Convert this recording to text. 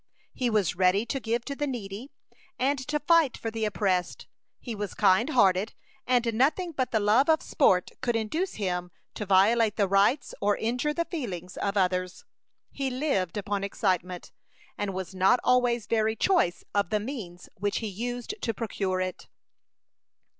He was ready to give to the needy, and to fight for the oppressed. He was kind hearted, and nothing but the love of sport could induce him to violate the rights, or injure the feelings, of others. He lived upon excitement, and was not always very choice of the means which he used to procure it.